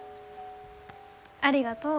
ありがとう。